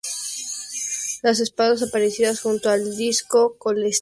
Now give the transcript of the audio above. Las espadas aparecidas junto al disco celeste son de una gran calidad.